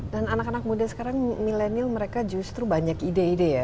dan anak anak muda sekarang milenial mereka justru banyak ide ide ya